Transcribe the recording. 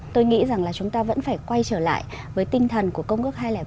tôi nghĩ rằng là chúng ta vẫn phải quay trở lại với tinh thần của công ước hai trăm linh ba